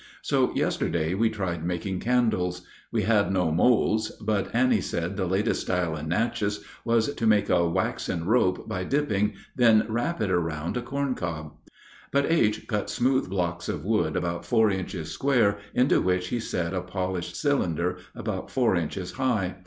So yesterday we tried making candles. We had no molds, but Annie said the latest style in Natchez was to make a waxen rope by dipping, then wrap it round a corn cob. But H. cut smooth blocks of wood about four inches square, into which he set a polished cylinder about four inches high.